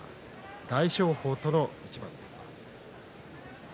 大翔鵬との一番です。